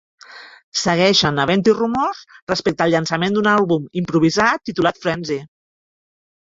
Segueixen havent-hi rumors respecte al llançament d'un àlbum improvisat titulat "Frenzy".